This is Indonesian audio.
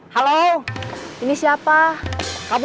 tete aku mau